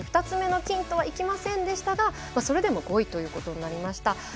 ２つ目の金とはいきませんでしたがそれでも５位ということになりました。